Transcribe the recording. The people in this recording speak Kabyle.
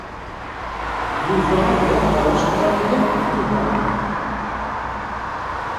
Yuba ad iruḥ ɣer Ustṛalya deg Tubeṛ.